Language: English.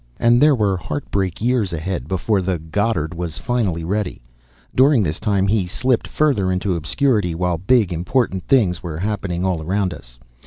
And there were heartbreak years ahead before the Goddard was finally ready. During this time he slipped further into obscurity while big, important things were happening all around us.